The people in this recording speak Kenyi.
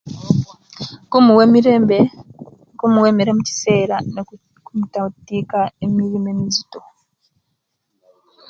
Kumuwa emirembe kumuwa emere mukisera ne'butamukita emirimu emizito